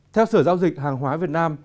theo sở giao dịch hàng hóa việt nam